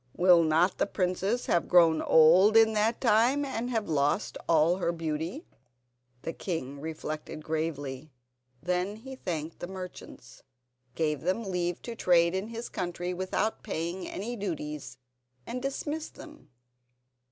Will not the princess have grown old in that time and have lost all her beauty?" The king reflected gravely. Then he thanked the merchants, gave them leave to trade in his country without paying any duties, and dismissed them.